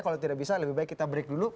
kalau tidak bisa lebih baik kita break dulu